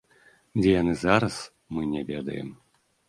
Дзе яны зараз, мы не ведаем.